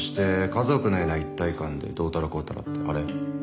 家族のような一体感でどうたらこうたらってあれ。